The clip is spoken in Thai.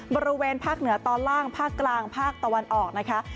บริเวณภาคเหนือตอนล่างภาคกลางภาคตะวันออกนะคะ